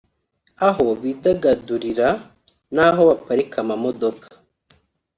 aho bidagadurira n’aho baparika amamodoka